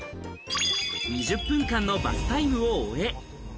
２０分間のバスタイムを終え。